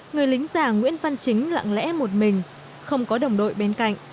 người lính già nguyễn văn chính lặng lẽ một mình không có đồng đội bên cạnh